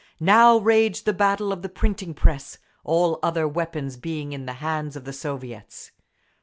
Now raged the battle of the printing press—all other weapons being in the hands of the Soviets.